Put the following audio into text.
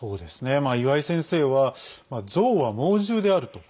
岩井先生はゾウは猛獣であると。